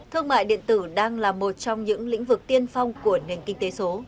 thương mại điện tử đang là một trong những lĩnh vực tiên phong của nền kinh tế số